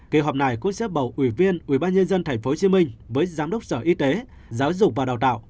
kỳ họp này cũng sẽ bầu ủy viên ubnd tp hcm với giám đốc sở y tế giáo dục và đào tạo